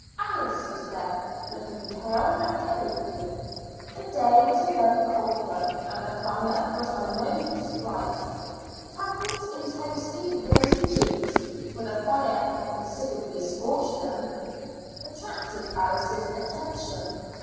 Alice was there, looking pale and headachy. The day was a very cold one, and the fire was by no means bright. Kathleen's intensely rosy cheeks for the fire had considerably scorched them attracted Alice's attention.